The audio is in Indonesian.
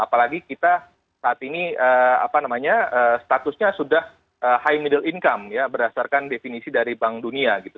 apalagi kita saat ini statusnya sudah high middle income ya berdasarkan definisi dari bank dunia gitu